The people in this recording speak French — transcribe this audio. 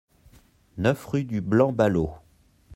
neuf rue du Blanc Ballot